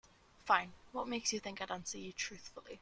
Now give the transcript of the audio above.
Fine, what makes you think I'd answer you truthfully?